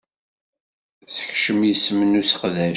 Sekcem isem n useqdac